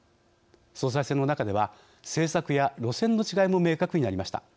総裁選の中では政策や路線の違いも明確になりました。